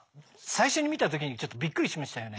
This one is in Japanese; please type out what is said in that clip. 最初に見た時にちょっとびっくりしましたよね。